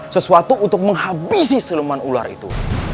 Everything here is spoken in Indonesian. sesuatu untuk menghabisi seluman ular itu